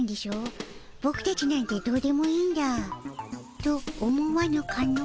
ボクたちなんてどうでもいいんだ」と思わぬかの？